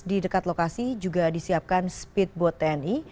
di dekat lokasi juga disiapkan speedboat tni